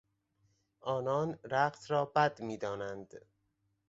آنان رقص را بد میدانند.